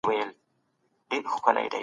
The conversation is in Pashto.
د حقوقو غوښتنه د پوهې په واسطه کيږي.